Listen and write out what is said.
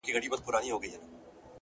علم د پرمختګ بنسټیز عنصر دی!